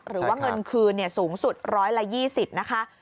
หรือว่าเงินคืนสูงสุด๑๒๐นะคะ